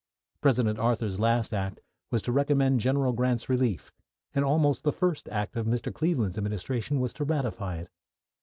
President Arthur's last act was to recommend General Grant's relief, and almost the first act of Mr. Cleveland's administration was to ratify it.